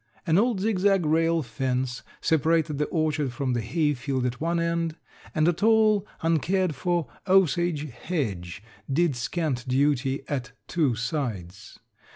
An old zigzag rail fence separated the orchard from the hay field at one end and a tall uncared for osage hedge did scant duty at two sides.